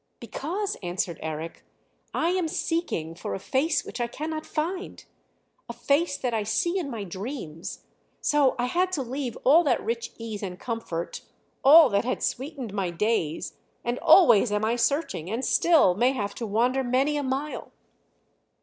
"Because," answered Eric, "I am seeking for a face which I cannot find a face that I see in my dreams; so I had to leave all that rich ease and comfort, all that had sweetened my days, and always am I searching and still may have to wander many a mile."